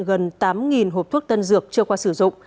gần tám hộp thuốc tân dược chưa qua sử dụng